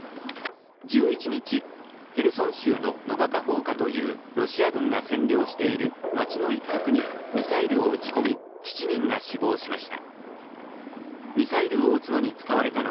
１１日、ヘルソン州のノバ・カホウカというロシア軍が占領している町の一角にミサイルを撃ち込み７人が死亡しました。